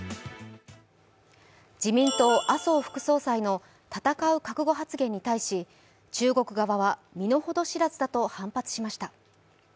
自民党・麻生副総裁の戦う覚悟発言に対し中国側は身の程知らずだと反発しました。